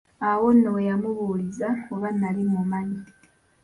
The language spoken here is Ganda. Awo nno we yamubuuliza oba nali mumanyi.